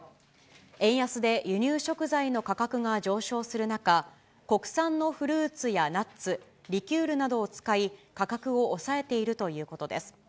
円安で輸入食材の価格が上昇する中、国産のフルーツやナッツ、リキュールなどを使い、価格を抑えているということです。